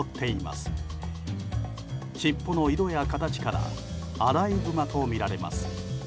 しっぽの色や形からアライグマとみられます。